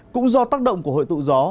cũng do tác động của hội tụ gió